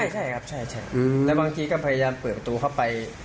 ใช่ครับใช่แล้วบางทีก็พยายามเปิดประตูเข้าไป